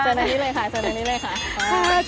เสิร์ฟในนี้เลยค่ะเสิร์ฟในนี้เลยค่ะ